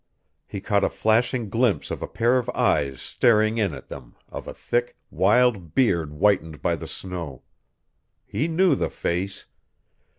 He caught a flashing glimpse of a pair of eyes staring in at them, of a thick, wild beard whitened by the snow. He knew the face.